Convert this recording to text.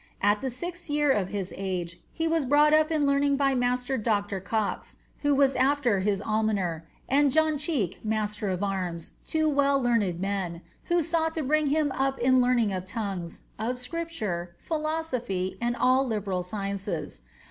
At the sixth year of his age, he was brought up in learning by master Dr. Cox, who was after his almoner, and John Cheke, master of arts, two well learned men, who sought to bring him up in learning of tongues, of Scripture, philosophy, and all liberal sci ences.